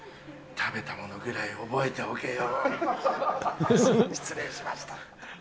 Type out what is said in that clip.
食べたものぐらい覚えておけ失礼しました。